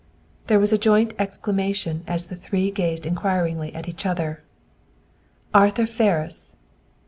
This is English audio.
There was a joint exclamation as the three gazed inquiringly at each other. "Arthur Ferris!"